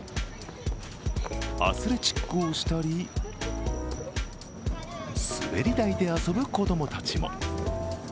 アスレチックをしたり、滑り台で遊ぶ子供たちも。